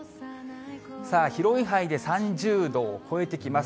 広い範囲で３０度を超えてきます。